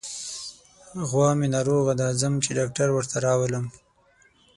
غوا مې ناروغه ده، ځم چې ډاکټر ورته راولم.